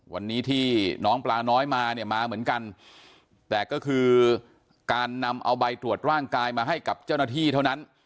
วันนี้ที่น้องปลาน้อยมาเนี่ยมาเหมือนกันแต่ก็คือการนำเอาใบตรวจร่างกายมาให้กับเจ้าหน้าที่เท่านั้น